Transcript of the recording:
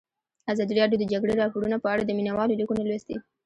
ازادي راډیو د د جګړې راپورونه په اړه د مینه والو لیکونه لوستي.